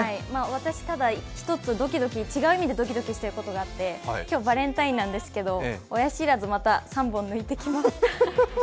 私、ただ一つ、違う意味でドキドキしてることがあって今日、バレンタインなんですけど、親不知をまた３本抜いてきます。